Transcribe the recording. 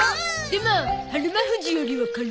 でも日馬富士よりは軽い。